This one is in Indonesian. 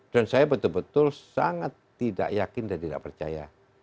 dan saya betul betul sangat tidak yakin dan tidak percaya